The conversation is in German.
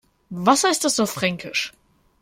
Was heißt das auf Fränkisch?